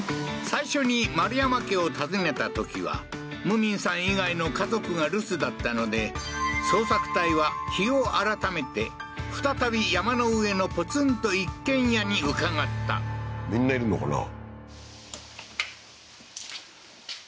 最初に丸山家を訪ねたときは無民さん以外の家族が留守だったので捜索隊は日を改めて再び山の上のポツンと一軒家に伺ったみんないるのかな？